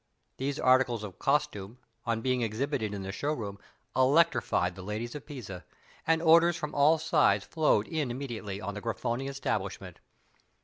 These articles of costume, on being exhibited in the showroom, electrified the ladies of Pisa; and orders from all sides flowed in immediately on the Grifoni establishment.